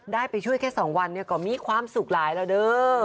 ได้ไปช่วยแค่๒วันก็มีความสุขหลายแล้วเด้อ